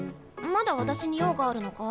まだ私に用があるのか？